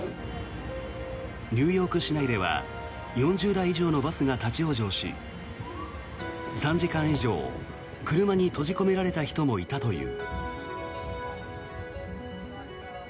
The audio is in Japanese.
ニューヨーク市内では４０台以上のバスが立ち往生し３時間以上車に閉じ込められた人もいたという。